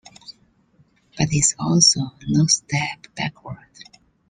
But it's also no step backward.